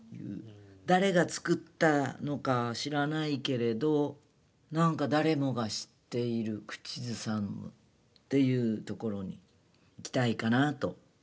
誰が作ったのか知らないけれどなんか誰も知っている口ずさむっていうところにいきたいかなと。